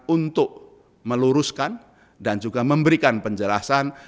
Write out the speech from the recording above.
untuk meluruskan dan juga memberikan penjelasan